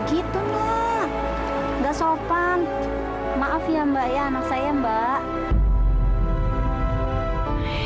gitu loh nggak sopan maaf ya mbak ya anak saya mbak